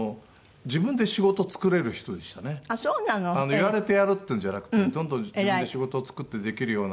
言われてやるっていうんじゃなくてどんどん自分で仕事を作ってできるような。